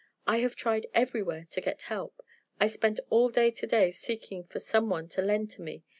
I have tried everywhere to get help. I spent all to day seeking for some one to lend to me.